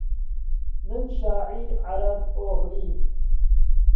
من شاعیر عەرەب ئۆغڵیم